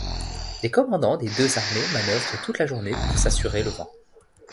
Les commandants des deux armées manœuvrent toute la journée pour s'assurer le vent.